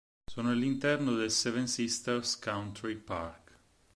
Sono all'interno del Seven Sisters Country Park.